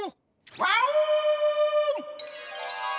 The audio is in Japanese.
ワオン！